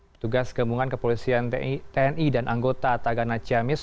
petugas gabungan kepolisian tni dan anggota atagana camis